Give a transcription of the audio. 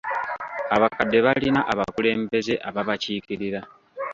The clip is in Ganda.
Abakadde balina abakulembeze ababakiikirira.